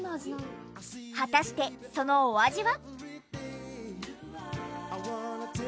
果たしてそのお味は？